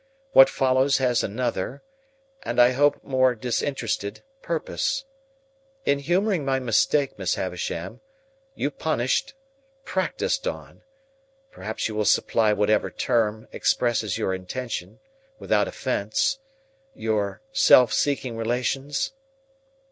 What follows has another (and I hope more disinterested) purpose. In humouring my mistake, Miss Havisham, you punished—practised on—perhaps you will supply whatever term expresses your intention, without offence—your self seeking relations?"